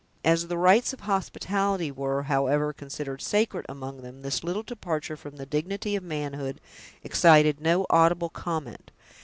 As the rights of hospitality were, however, considered sacred among them, this little departure from the dignity of manhood excited no audible comment.